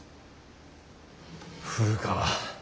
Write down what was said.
古川